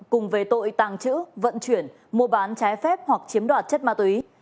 cùng về tội tàng trữ vận chuyển mua bán trái phép hoặc chiếm đoạt chất ma túy